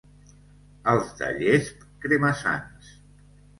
Els de Llesp, crema-sants.